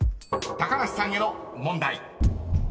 ［高梨さんへの問題］